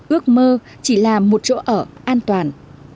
ước mơ chỉ là một chỗ ở an toàn